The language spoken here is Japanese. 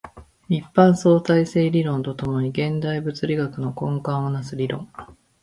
一般相対性理論と共に現代物理学の根幹を成す理論